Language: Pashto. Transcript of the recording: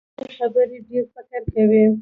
کمې خبرې، ډېر فکر کوي.